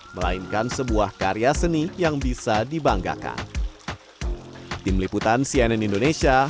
melainkan sebuah karya seni yang bisa dibanggakan